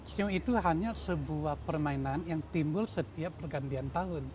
sio itu hanya sebuah permainan yang timbul setiap pergantian tahun